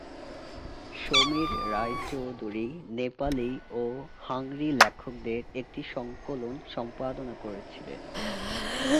সমীর রায়চৌধুরী নেপালি ও হাংরি লেখকদের একটি সংকলন সম্পাদনা করেছিলেন।